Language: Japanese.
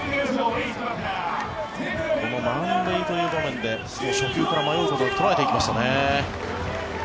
この満塁という場面で初球から迷うことなく捉えていきましたね。